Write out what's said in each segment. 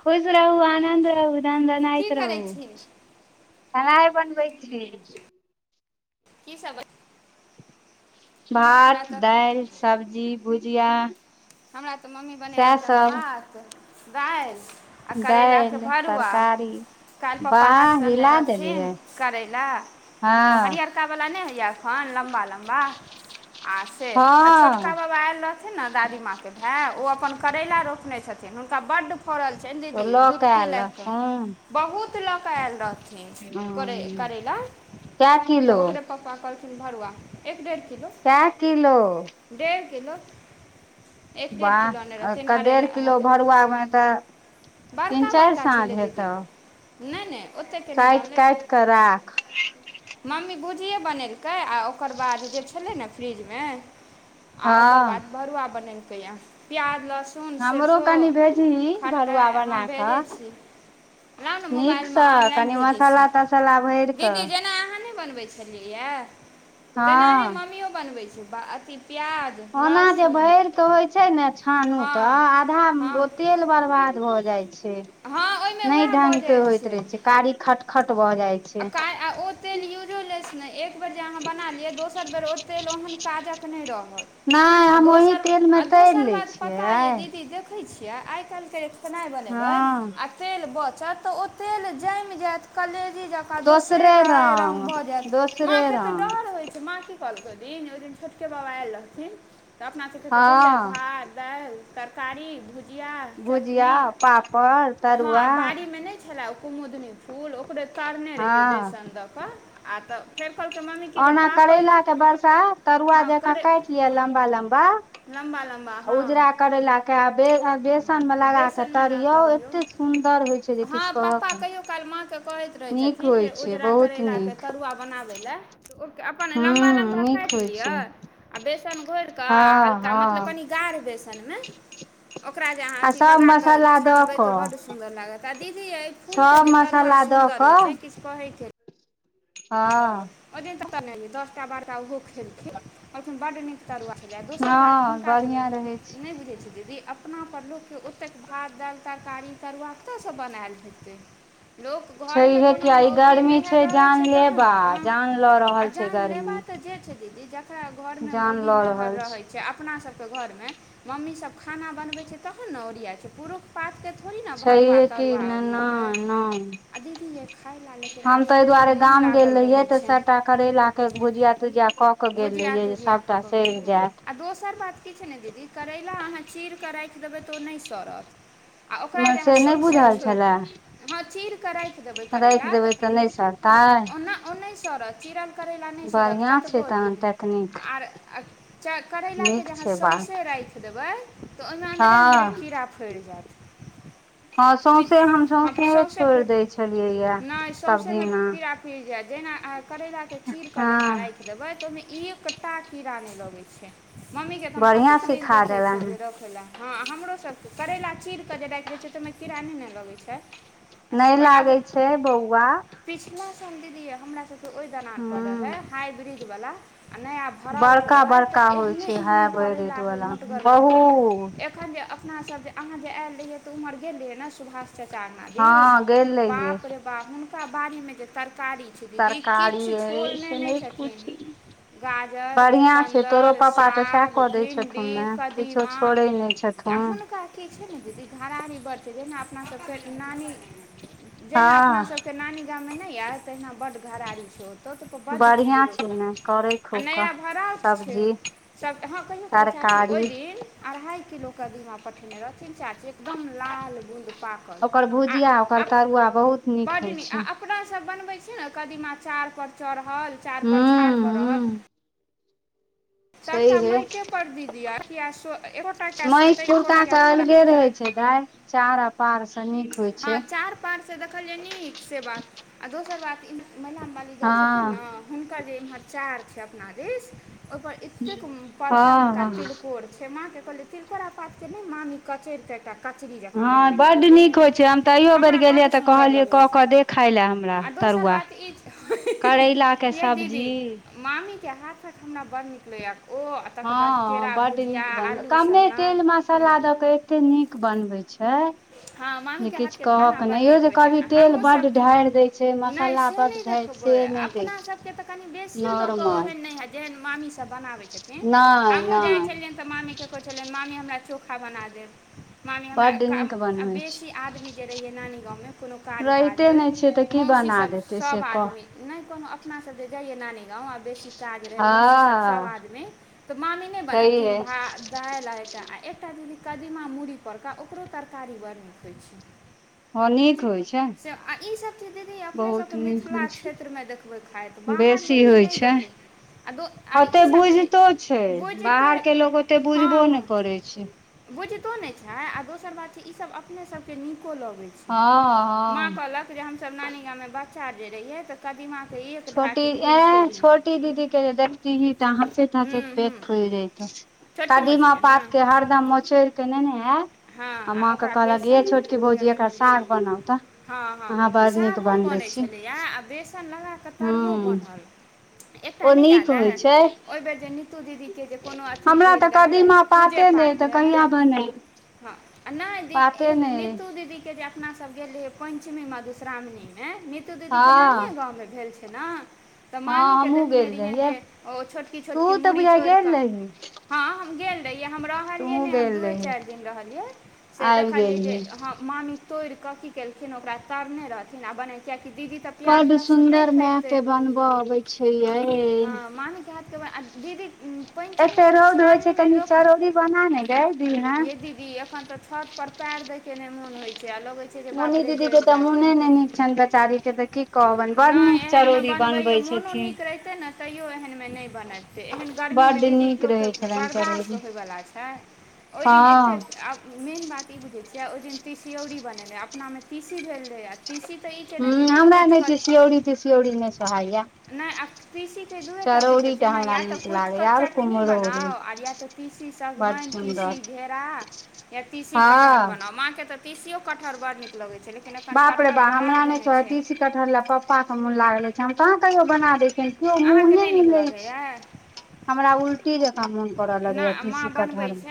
खुश रहू आनन्द रहू दन दनाइत रहूं। खेनाय बनबै छी। की सब भात दालि सब्जी भुजिया हमरा तऽ मम्मी बनेलक हँ भात दालि आ करैलाके भरुआ। काल्हि पप्पा हाटसँ अनने रहथिन करैला ओ हरियर का वाला नहि होयया अखन लंबा लंबा आ से आ छोटका बाबा आयल रहथिन न दादीमाँके भाय ओ अपन करैला रोपने छथिन हुनका बड्ड फड़ल छैय ने दीदी लुतकी लैग कऽ बहुत लऽ क आयल रहत करै करैला तऽ ओकरे पापा [unintelligible] भरुआ एक [unintelligible] किलो कए किलो? डेढ़ किलो। वाह डेढ़ किलो भरुआमे तऽ तीन चारि साँझ हेतव। नहि नहि ओतेक काटि काटि कऽ राख। मम्मी भूजिए बनेलकै आ ओकर बाद जे छलै ने फ्रिजमे आ ओकर बाद भरुआ बनेलकै य प्याज लहसुन सून सरिसो खटैय अहाँ भेजै छी। लाओ ने मोबाइलमे ऑनलाइन भेज दै छी दीदी जेना अहाँ नहि बनबैत छी बुझलीयै तेनाहे मम्मियो बनबै छैय अथी प्याज लहसुन त होइ छैय ने छानु तऽ आधा ओ तेल बर्बाद भ जाई छैय। नहि ढंग के होइत रहै छैय कारी खटखट भऽ जाइ छैय। आ ओ तेल यूजोलेस नहि एक बेर जे अहाँ बना लिअ दोसर बेर ओ तेल ओहन काजक नहि रहत। आ दोसर आ दोसर बात पता य दीदी देखै छियै आइ काल्हिके खेनाई बनेबै आ तेल बचत तऽ ओ तेल जमि जायत कलेजी ज ओ दोसरे र भऽ जायत माँके तऽ डर होइत छै माँके फलके दिन ओहि दिन छोटके बाबा आयल रहथिन तऽ अपना सबके तऽ बुझलै भात दालि तरकारी भु भुजिया चटनी हँ बाड़ीमे नहि छलाए ओ कुमुदनी फूल ओकरे तारने रहियै बेसन दऽ कऽ आ तऽ फेर कहलकै मम्मी क जे पाप हँ करै लम्बा लम्बा हँ बेसनमे लए क हँ पप्पा कहियो काल माँ के कहैत रहै छथिन छथिन जे उजरा करैलाके तरुआ बनाबै लए ओ अपन लम्बा लम्बा काटि लिअ आ बेसन घोरि कऽ आ हल्का मतलब कनि गाढ़ि बेस तनमे ओकरा जे अहाँ अथी लगा कऽ छानबै तऽ ओ बड्ड सुन्दर लागत आ दीदी यैए फूल के जे तरुआ सुंदर होय छै किछ कहे केेनै हं ओहि दिन ततऽ नहिलियै दस टा बारह टा ओहो खेलख ओखन बड्ड नीक तरुआ छलै दोसर बात हुनका नहि बुझै छ दीदी अपना पर लोकके ओतेक भात दालि तरकारी तरुआ कतऽसँ बनायल हेतै लोक घरमे कोनो मौगी मेहर रहै छै तहन न आनल रह आ जान लेबा ते जे छै दीदी जेकरा घर में मौगी मेहर रहे छै छै अपना सबके घरमे मम्मी सब खाना बनबै छै तहन ने ओरियाइ छै पुरुख पातके थोड़े ने भरुआ तरुआ ओरि होयेतै दीदी हे खाय लेते लेकिन आब सौंसे मोन लागल रहे त सबटा करैला के भुजिया तुजिया क के गेले ये जे सबटा सैड़ जायत आ दोसर बात किछ नहि दीदी करैला अहाँ चीर कऽ राखि देबै तऽ ओ नहि सड़त आ ओकरा जे अहाँ सौंसे छोर हँ चीर कऽ राखि देबै करैला तऽ ओना ओ नहि सड़त चिरल करै ल नहि सोरत क करेला कऽ जेहा सहुसे देबै तऽ ओहिमे अन्दरे अन्दरे कीड़ा फड़ि जायत सौंसे फरि दब नहि सौंसेमे फिर पि जा जेना करैलाके चीर कऽ जे अहाँ राखि देबै तऽ ओहिमे एकटा कीड़ा नहि लगैत छै मम्मीके तऽ हम कतेक दिन देखै छलियै रखै लए हँ हमरो सबके करैला चीरके जे राखि दै छै तऽ ओहिमे किरा नहि ने लगैत छै नहि लागै छै बौआ पिछला साल दीदी य हमरा सबके ओहि दलान पर रहे हाइब्रिज वाला आ नया भड़ा उठ रहै तऽ एहने एहने करैला होय मोटगर मोटगर अखन जे अपना सब जे अहाँ जे आयल रहियै तऽ उम्हर गेल रहियै न सुभाष चचा बाप रे हुा बी तर [unintelligible] कारी छै दीदी किछु छोड़नेने छथिन गाजर चुकंदर साग भिंडी कदीमा आ हुनकर काकी छै ने दीद घराारी बड छै जेहिना अपना सब फेर नानी जेहिना अपना सब त नानी गाममे नहि यऽ तहिना बड्ड घरारी छै ओतौ तऽ बड चीज करे आ नया भराउठ छै सब अहाँ कहियो कहाल चाचीकि ओहि दिन अढ़ाई किलो कदीमा पठेने रहथिन चाची। एकदम लाल बूद पाकल आ ब्ड आ। अपना सभ बनबै छी ने कदीमा चार पर चढ़ल चा पर छड़ा पर रहलत। छैय हे महइ फुरता तऽ अलगे रहै छै, दाई। चार अपपारसे निक होइ छै। उपरसे देखल य निक से बात आ दोसर बात इ महिला मवाली। जा छथिन ने हुनकर जे इम्हरचार छै, अपना दिस ओहि एतेक बड़का बड़का तिलकोर छै, माँ के कहलियै तिलकोर पासके नहि मामी कचर त एकटा। कचरी जकाँ बनबै छै। निक होइ छै, हम तऽ अहियो बेर गेलियै तऽ कहलियै कऽ केऽ दे खाय ले हमरा तरुआ। करैलाके सब्जी। मामी के हाथ हमरा बड़ निक लगैया ओ। हँ, बड निक बन तेल कमे तेल मसला। मसाला दऽ केऽ एते निक बनबैत छै। हँ, मामी के हाथके खाना बड़ निक होइत छनि आ हमहूँ सभ जे नहि से नहि देखब। अपना सभके तऽ कनि बेसियो द कऽ ओहन नहि हेत। जेहन मामी सभ बनवाई झेथिंग हमहू जय झेलया। तऽ मामी के कहैत छलियनि मामी हमरा चोखा बना देब मामी हमरा काम। आ बेसी आदमी जे रहैए नानी गामे कोनो काज ताज होय मौसी सभ, सभ आदमी नहि कोनो अपनासँ जेऽ जाइए नानी गाम आ बेसी। काज रहै मौसीसभ, सभ आदमी तऽ मामी ने बनथिन भात दालि आ एकटा दीदी कदीमा मुरड़ी परक ओकरो तरकारी बड़ न होइत छै। हँ, निक होइ छै। से आ ईसभ चीज दीदी अपने सभके मिथिला क्षेत्रमे देखबै खाइतमे। बेसी होइ छै। ओतेक बुझितो छै, बाहरक लोक ओतेक बुझबो नहि करैत छै। बुझितो न छै आ दोसर बात छै, ई सभ अपने सभ के नीको लगै छै। हँ, हँ। कहलक जे हम सभ नानी गाममे बच्चा जे रहिये त छोटी दीदी के जे देखैत छी, तऽ हँसैत-हँसैत पेट फुलि जाइ छै। कदीमा पातके हरदम मोचरि के ने आयब आ माँ के कहलक हे छोटकी भौजी एकर साग बनाउ तऽ। हँ, हँ, सागो बनै छलैए आ बेसन लगा कऽ तरुओ बनल। एकटाने याद है, ओहि बेर जे नित। पुतू दीदी के जे कोनो अँठी भेल रहै, पूजापाठ रहै। हँ, आ नहि दी एक नितू दीदीके जे अपना सभ गेल रहि पञ्चमी मधुश्रावणीमे नितू दीदीके नानिये गाव मे भेल छै ने। तऽ मामी के देखने रहियनि जे ओ छोटकी छोटकी मूड़ी तोड़ि कऽ हँ, हम गेल रहियै, हम रहलियै ने, हम दु चारि दिन रहलियै, से देखलियै जे हम। मामी तोड़ि कऽ की केलखिन ओकरा तरने रहथिन आ बने। कियाकि दीदी तऽ प्याज लहसुन नहि खेतै ह, मामी के हाथक बन। दीदी पञ्चमी मधुश्रावणीमे लोक यदि। ई, एखन तऽ छत पर पएर देबाकने मन होइ छै। आ लगै छै, जे बाप रे जरि जायब एनते। नहि, एहनमे बनबैयो मोन निक रहिते ने, तैयो एहनमे नहि। बन छै [unintelligible] एहन गर्मीमे दीदी लोकके बर्दास्त होइवला छै ओहि दिन एतसे आब मेन बात ई बुझै छियै ओहि दिन तीसियौरी बनेनाै अपनामे तीसी भेल रहै आ तीसी तॅं हॅं, हमरा नहि तिसयौरी-तिसियौरी नहि सोहायए नहि आ तीसीके दूइएटा चीज होइ छै ने या तऽ कुटि कऽ चटनी बनाउ आ या तऽ तीसी सजमनि, तीसी घेरा या तीसी कटहर बनाउ, माके तॅं तीसियो कटहर बड़ नीक लगै छै लेकिन कटहर एखन बरा देने छै कटहर लए पप्पाकेँ मोन लागल रहैछ। हम कहाँ कहियो बना देतियनि, केओ मुँहे नहि लैत छै। हमरा उलटी जकाँ मोन करऽ लगैत अछि, तीसी-कटहरमे।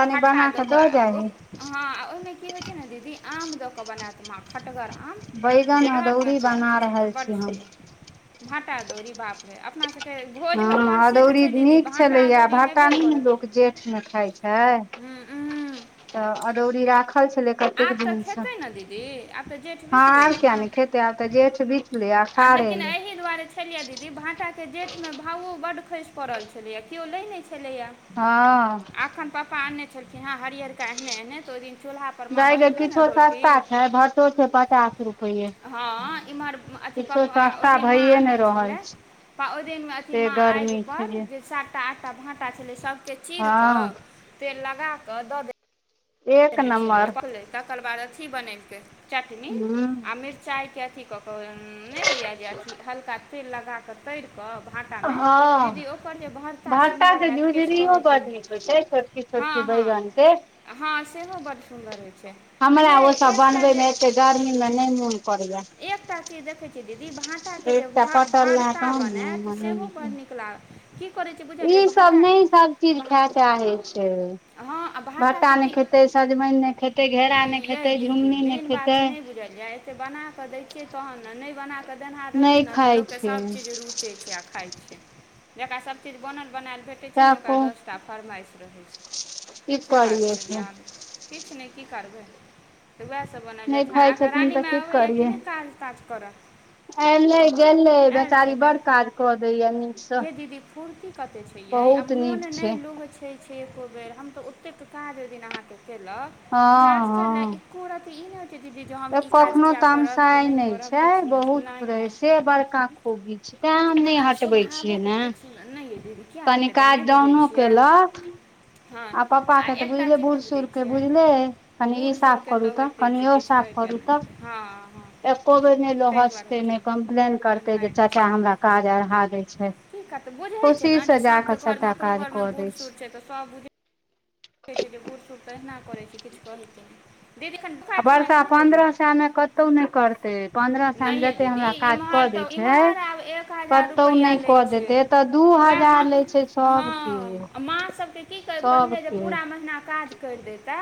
कनी बना कऽ दऽ जाही। हँ, आ ओहिमे की होइत छै ने दीदी आम दऽ कऽ बनाएत माँ खटगर आम। आम जटहात न तुरात [unintelligible] से तॅं बड़ सुन्दर, भाटा-अदौरी बापरे अपनासे हँ अदौड़ी नीक छलैया, भाटा नहि ने लोक जेठ -मे खाइ छै तऽ अदौरी राखल छेलय कतेक दिनसँ, हँ आब किया नहि खेते आब तॅं जेठ बीति गेलै आषाढ आयलै छलैए दीदी भाटाके जेठमे भावो बड्ड खसि पड़ल छलैया केओ लै नहि छलैया। हँ पप्पा आनने छलखिन हँ हरियरका एहने-एहने तऽ ओहि दिन चूल्हा पर माँ बनेलकय ने रोटी, हँ इम्हर अ पापा ओहि दिन माँ अनने छलै। ओहि दिनमे अथि माँ आगिपर जे सातटा-आठटा भाटा छलै सभकेँ चीर कऽ तेल लगा कऽ दऽ छल, तकर बाद अथी बनेलकै, चटनी आ मिरचाइके अथी कऽकऽ नहि होइए जे अथी हल्का तेल लगा कऽ तरि कऽ भाटामे दीदी ओकर जे भरता सुन्दर होइत अछि, किछु कहैके नहि की छोटकी बैंगन छै हँ सेहो बड्ड सुन्दर होइत छै आ यै एकटा जे अइ गर्मीमे नहि मोन पड़ैयाए एकटा चीज देखे छी दीदी भाटाके जे भरता बनाएत सेहो बड़ नीक लागत, की करै छै ई सब नहि सभ चीज खाय चाहै छै भट्टा नहि खेतै, सजमनि नहि खेतै, घेरा नहि खेतै, झुमनी नहि खेतै। बनाकऽ दै छियै तहन ने नहि बनाकऽ देनहार रहय छै ने तऽ लोकके सभ चीज रुच चैत आ खाइ छै जेकरा सब चीज बनल बनाएल भेटतै कटै छै ने ओकरा दस टा फरमाइश रहै छै, से बात छै ध्यान किछ नहि की करबै तऽ वएह सब बनाल जाइत छै अहांँके रानी माय अबैए? काज ताज करय ऐले-गेले बेचारी बड़ काज कऽ दैत अछि नीकसँ। यै दीदी फुर्ती कते छैै आ मोन नहि लोह [unintelligible] ठ छै एको बेर हम तऽ ओतेक काज ओहि दिन अहाँके केलक हँ हँ एको रती ई नहि होय छै दीदी जे हम ई काज कियाक तमसाय नहि छै बहुत [inaudible] से बड़का खूबी छै त‌एं हम नहि हट हटबै छियै ने नहि यै दीदी कनी काज डाउनो केलक आ पप्पा के तऽ बुझले बूढ़ सूढ़ के बुझले अय कनि ई साफ करू तऽ कनि यो साफ करू त एको बेर नहि लोहसतै ने कम्प्लेन करतै जे चाचा हमरा काज अढ़ा दय छै की करतै बुझै छै न जे सब के घर मे ओकरो घर मे बूढ़ सूढ़ छै त सब बुझ जे बूढ़ सूढ़ तहिना करै छै किछु कहै छै दीदीखन आ वर्षा पंन्द्रह सा मे कतौ नहि करतै पन्द्रह सा मे जते हमरा काज कर इम्हर आब एक हजार रुपैआ लै छै उएह मा हँ माँ, सभके की करै, पहिने जे। पूरा महिना काज करि दैते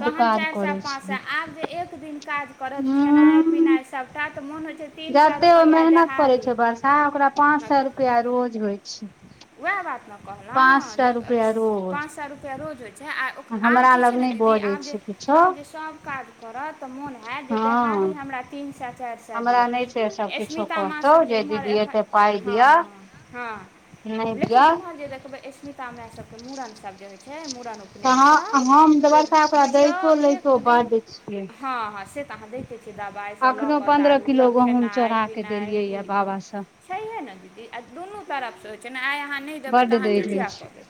तहन चारि पांच सै आब जे एक दिन काज करत खेनाय पिनाय सबटा तऽ मोन होय छै जते ओ मेहनत करे छै बरसा ओकरा पांच सए रुपया रोज होय छै वएह बात न कहलौं जे पाँच सए रुपैया रोज होयत छै। आब की छै ने दीदी आब जे आब जे सभ काज करत तऽ मोन हेएत जे देहारी हम हमरा तऽ सन सए चार सए दिअ, स्मिता माँ। सभ जे एमहर एखन हँ-हँ। हँ, लेकिन इम्हर जे देखबै, स्मिता म‌ए सभकेँ मुँड़न होय छै। बुझियौ एक दिन हं हाँ से, तऽ अहाँ दै छियै एते एते दबाइसभ लऽ कऽ दारू तऽ खेनाइ पिनाइ ई ओ छैहे ने दीदी आ दुनू तरफसँ होइत छै ने आई अहाँ नहि देबै तऽ अहाँके किया कहबै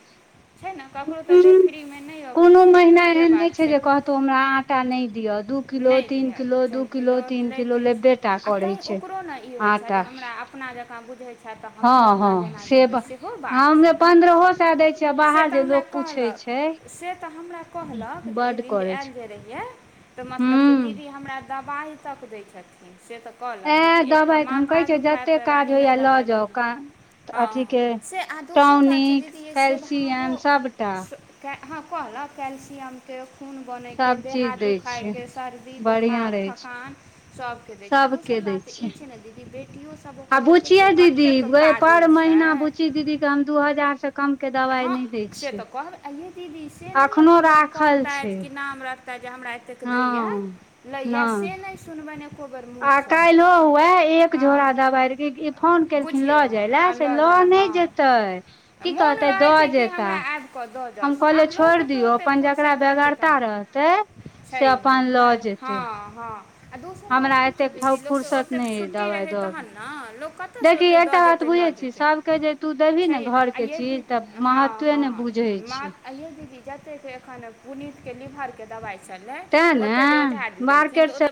छै ने, ककरो तऽ देह फ्रीमे नहि अबैत छै, से बात छै। नहि लिअ च क लोट लइते छै आ त ओकरो ने ई होइ छै जे हमरा अपना जकाँ बुझै छथि तऽ हमहुँ अपना सेहो बात छै ने, से तऽ हमरा कहल। से तऽ हमरा कहलक जे ओहि दिन जे आयल जा रहियै तऽ मतलब त दीदी दबाई तक दै छथिन कहलक जे एकटा माथा दुखाय तऽ रानी माय दबाई लेल हँ से आ दोसर बात छै दीदी य स्वभावो हँ कहलक कैल्सियम के खून बनयके देह हाथ दुखायके सर्दी बोखार थकान सब के दय छै आ दोसर बात ई छै ने दीदी बेटियो सब ओकर देखे छिये कते काजुल महीना बुची दीदी के हम दू हजार से कम के दवाई नहि दय छियै आइये दीदी से नहि एको बेर कहतथि कि नाम रहतै जे हमरा दैया लैया से नहि सुनबनि आ कायलो हुए एक झोड़ा दबाार के फोन केलखिन लज ब लए से लऽ नहि जेतै की कहतै द जेता हम कहलियै छोड़ि दियौ अपन जकरा बेगरता रहत ते से अपन ल जेतै हँ आ दोसर बात ई छै दीदी लोककेँ ओतेक छुट्टी रहै तखन ने लोक कतयसँ ओतेक दऽ जेतै लऽ जेतै सभ के जे तू देबही ने घरके चीज तऽ महत्वे नहि बुझै छिय आए दीदी जते एखन पुनीत के लीवर के दवाई छै छलै ओत जे ओझा देलखिन तऽ आते